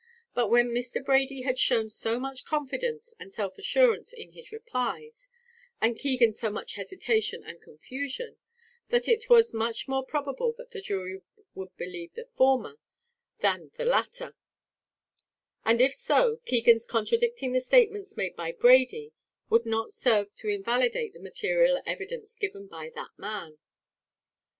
But then Brady had shown so much confidence and self assurance in his replies, and Keegan so much hesitation and confusion, that it was much more probable that the jury would believe the former, than the latter; and if so, Keegan's contradicting the statements made by Brady, would not serve to invalidate the material evidence given by that man.